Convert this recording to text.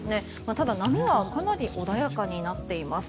ただ、波がかなり穏やかになっています。